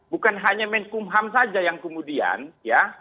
bukan hanya menkumham saja yang kemudian ya